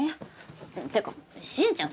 ってか進ちゃん